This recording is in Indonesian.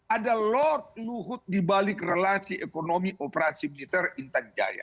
ada lord luhut dibalik relasi ekonomi operasi militer intan jaya